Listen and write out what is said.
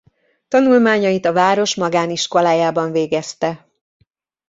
Tanulmányait a város magániskolájában végezte.